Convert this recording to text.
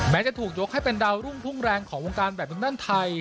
แม้จะถูกยกให้เป็นเดารุ่งพุ่งแรงของวงการแบบนึงด้านไทย